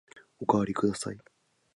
おかわりください。